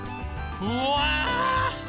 うわ！